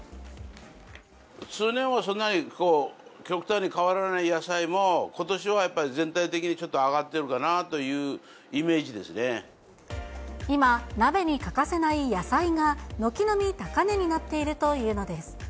通年はそんなにこう、極端に変わらない野菜もことしはやっぱり、全体的にちょっと上が今、鍋に欠かせない野菜が軒並み高値になっているというのです。